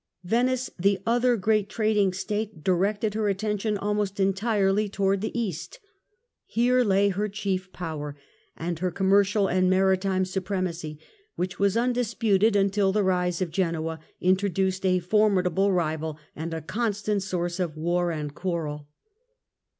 Venice Venice, the other great trading State, directed her attention almost entirely towards the East. Here lay her chief power and her commercial and maritime supremacy, which was undisputed until the rise of Genoa introduced a formidable rival and a constant source of war and quarrel.